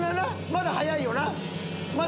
まだ早いよ